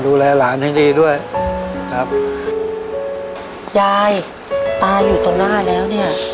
ดูแลหลานให้ดีด้วยครับยายตาอยู่ตรงหน้าแล้วเนี่ย